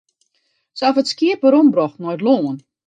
Se hawwe it skiep werombrocht nei it lân.